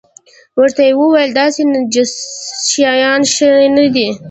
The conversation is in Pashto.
ورته ویې ویل داسې نجس شیان ښه نه دي.